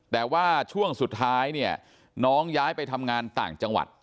แต่ว่าช่วงสุดท้ายเนี่ยน้องย้ายไปทำงานต่างจังหวัด